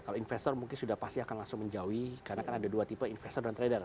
kalau investor mungkin sudah pasti akan langsung menjauhi karena kan ada dua tipe investor dan trader